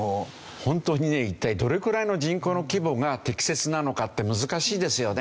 本当にね一体どれくらいの人口の規模が適切なのかって難しいですよね。